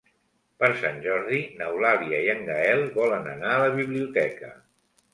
Per Sant Jordi n'Eulàlia i en Gaël volen anar a la biblioteca.